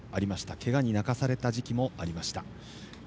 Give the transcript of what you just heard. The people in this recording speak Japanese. けがに泣かされた時期もあった。